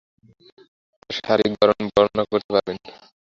তার শারীরিক গড়ন বর্ণনা করতে পারবেন?